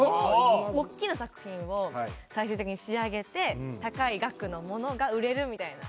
おっきな作品を最終的に仕上げて、高い額のものが売れるみたいな。